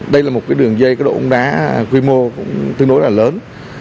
đây là một cái đường dây có độ bóng đá quy mô tương đối là lớn